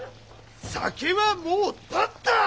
酒はもう断った！